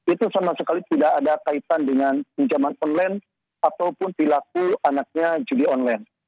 itu sama sekali tidak ada kaitan dengan pinjaman online ataupun perilaku anaknya judi online